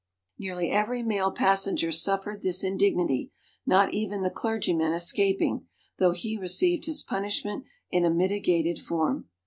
Nearly every male passenger suffered this indignity, not even the clergyman escaping, though he received his punish ment in a mitigated form.